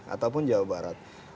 ataupun jawa barat